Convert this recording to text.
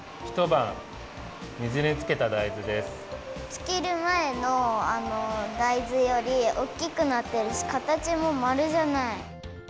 つけるまえの大豆よりおっきくなってるしかたちもまるじゃない。